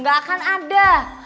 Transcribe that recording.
gak akan ada